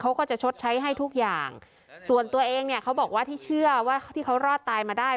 เขาก็จะชดใช้ให้ทุกอย่างส่วนตัวเองเนี่ยเขาบอกว่าที่เชื่อว่าที่เขารอดตายมาได้